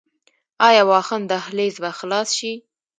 آیا واخان دهلیز به خلاص شي؟